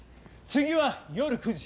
次は夜９時。